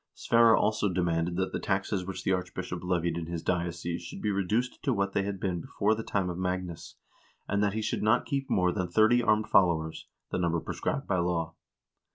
x Sverre also demanded that the taxes which the archbishop levied in his diocese should be reduced to what they had been before the time of Magnus, and that he should not keep more than thirty armed followers, the number prescribed by law.